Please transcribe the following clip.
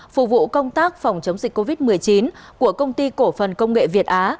phục vụ công tác phòng chống dịch covid một mươi chín của công ty cổ phần công nghệ việt á